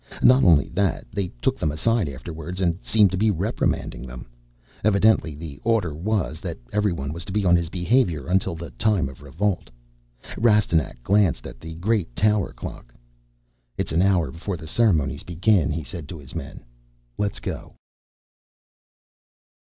Not only that, they took them aside afterwards and seemed to be reprimanding them. Evidently the order was that everyone was to be on his behavior until the time to revolt. Rastignac glanced at the great tower clock. "It's an hour before the ceremonies begin," he said to his men. "Let's go."